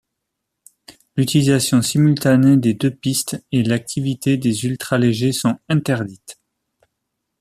L'utilisation simultanée des deux pistes et l'activité des ultra-légers sont interdites.